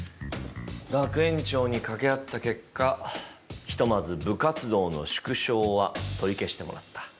学園長に掛け合った結果ひとまず部活動の縮小は取り消してもらった。